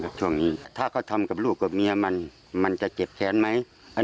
ช่วงนี้ถ้าเขาทำกับลูกกับเมียมันมันจะเจ็บแค้นไหม